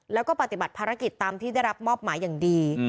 แล้วก็ปฏิบัติภารกิจตามที่ได้รับมอบหมายอย่างดี